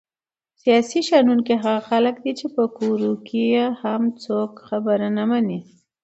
سیاسي شنونکي هغه خلک دي چې کور کې یې هم څوک خبره نه مني!